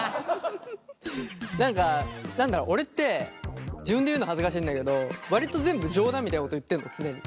何か何だろ俺って自分で言うの恥ずかしいんだけど割と全部冗談みたいなこと言ってんの常に。